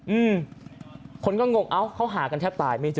อืมคนก็งงเอ้าเขาหากันแทบตายไม่เจอ